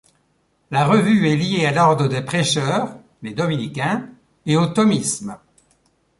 La revue est liée à l'Ordre des Prêcheurs, les dominicains, et au thomisme.